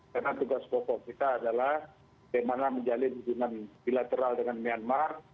karena tugas pokok kita adalah bagaimana menjalin izinan bilateral dengan myanmar